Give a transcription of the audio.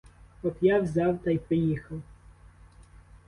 От я взяв та й приїхав.